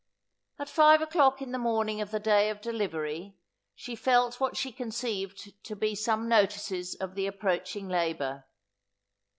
At five o'clock in the morning of the day of delivery, she felt what she conceived to be some notices of the approaching labour.